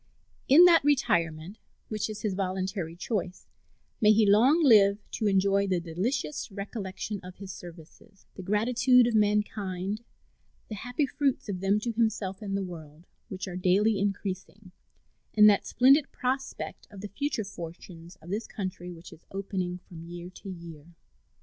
In that retirement which is his voluntary choice may he long live to enjoy the delicious recollection of his services, the gratitude of mankind, the happy fruits of them to himself and the world, which are daily increasing, and that splendid prospect of the future fortunes of this country which is opening from year to year.